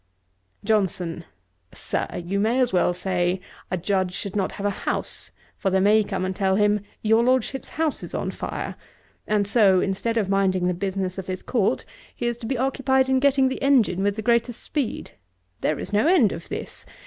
"' JOHNSON. 'Sir, you may as well say a Judge should not have a house; for they may come and tell him, "Your Lordship's house is on fire;" and so, instead of minding the business of his Court, he is to be occupied in getting the engine with the greatest speed. There is no end of this.